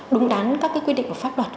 đúng đắn các cái quy định của pháp luật